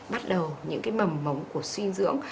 bắt đầu những cái mầm mống của suy dưỡng